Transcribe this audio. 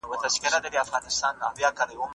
په عمل کې رسميت غواړو.